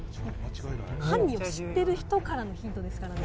犯人を知ってる人からのヒントですからね。